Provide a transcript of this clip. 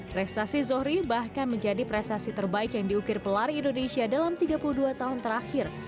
prestasi zohri bahkan menjadi prestasi terbaik yang diukir pelari indonesia dalam tiga puluh dua tahun terakhir